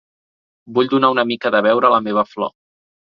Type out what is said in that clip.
Vull donar una mica de beure a la meva flor.